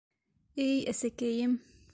Эй, әсәкәйем.